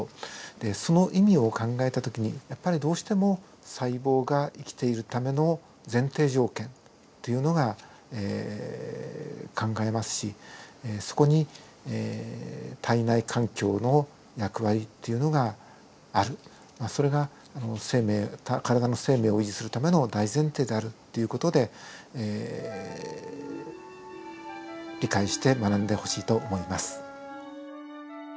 でその意味を考えた時にやっぱりどうしても細胞が生きているための前提条件というのが考えますしそこに体内環境の役割っていうのがあるそれが生命体の生命を維持するための大前提であるっていう事で理解して学んでほしいと思います。